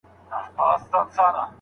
د لارښود واک نه محدودول کېږي.